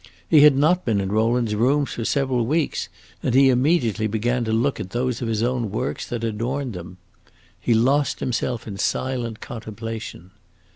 He had not been in Rowland's rooms for several weeks, and he immediately began to look at those of his own works that adorned them. He lost himself in silent contemplation.